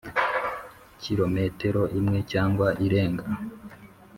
kilometero imwe cyangwa irenga,